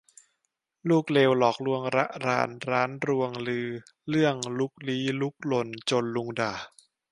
ลูกเลวหลอกลวงระรานร้านรวงลือเลื่องลุกลี้ลุกลนจนลุงด่า